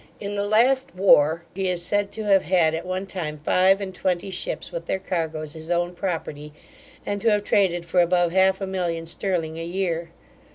In the last war, he is said to have had at one time five and twenty ships with their cargoes, his own property, and to have traded for above half a million sterling a year.